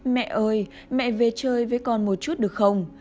mẹ ơi mẹ về chơi với con một chút được không